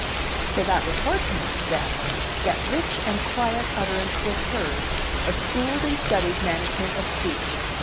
So that was Hortense, then! That rich and quiet utterance was hers, a schooled and studied management of speech.